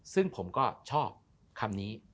ซึ่งผมก็ชอบคำนี้